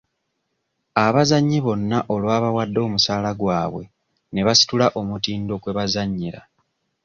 Abazannyi bonna olwabawadde omusaala gwabe ne basitula omutindo kwe bazannyira.